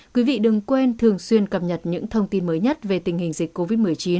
quý vị đừng quên thường xuyên cập nhật những thông tin mới nhất về tình hình dịch covid một mươi chín